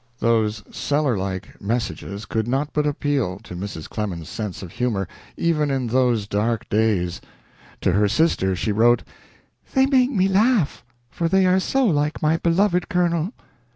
Those Sellers like messages could not but appeal, Mrs. Clemens's sense of humor, even in those dark days. To her sister she wrote, "They make me laugh, for they are so like my beloved Colonel."